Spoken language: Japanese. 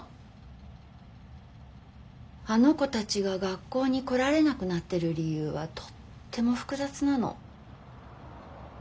あの子たちが学校に来られなくなってる理由はとっても複雑なの。